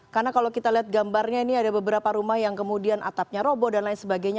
karena kalau kita lihat gambarnya ini ada beberapa rumah yang kemudian atapnya robo dan lain sebagainya